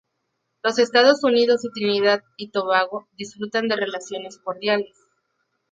Los Estados Unidos y Trinidad y Tobago disfrutan de relaciones cordiales.